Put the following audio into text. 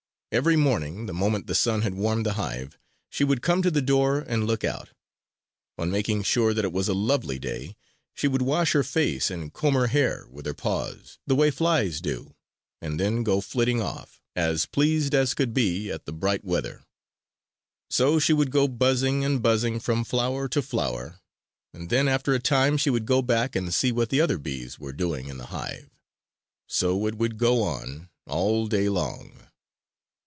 Every morning, the moment the sun had warmed the hive, she would come to the door and look out. On making sure that it was a lovely day, she would wash her face and comb her hair with her paws, the way flies do, and then go flitting off, as pleased as could be at the bright weather. So she would go buzzing and buzzing from flower to flower; and then after a time she would go back and see what the other bees were doing in the hive. So it would go on all day long.